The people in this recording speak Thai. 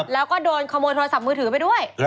แล้วก็โดนขโมยโทรศัพท์มือถือไปด้วย